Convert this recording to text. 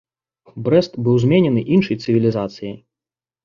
Брэст быў зменены іншай цывілізацыяй.